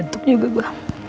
gantuk juga gua